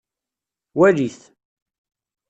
Walit.